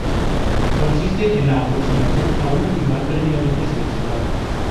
Consiste en la aproximación a un animal previamente seleccionado.